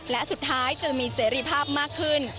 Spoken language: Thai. และสุดท้ายจะมีเสรีภาพมากขึ้น